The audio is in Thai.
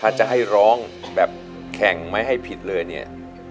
ถ้าจะให้ร้องแบบแข่งไม่ให้ผิดเลยเนี่ย